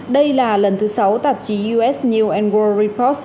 đây là lần thứ sáu tạp chí us news world report